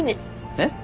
えっ？